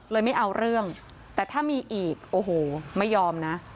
ไม่เอาเรื่องแต่ถ้ามีอีกโอ้โหไม่ยอมนะ